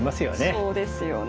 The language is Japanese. そうですよね。